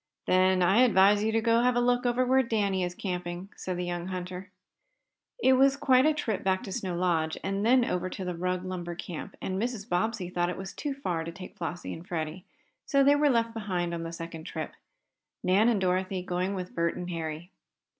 "Then I advise you to have a look over where Danny is camping," said the young hunter. It was quite a trip back to Snow Lodge and then over to the Rugg lumber camp, and Mrs. Bobbsey thought it too far to take Flossie and Freddie, so they were left behind on the second trip, Nan and Dorothy going with Bert and Harry.